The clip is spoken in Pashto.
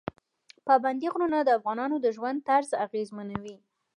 پابندی غرونه د افغانانو د ژوند طرز اغېزمنوي.